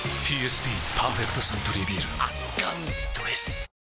ＰＳＢ「パーフェクトサントリービール」圧巻どぇす！